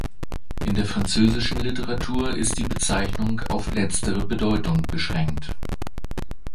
In der französischen Literatur ist die Bezeichnung auf letztere Bedeutung beschränkt.